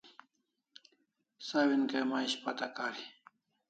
Sawin kay may ishpata kari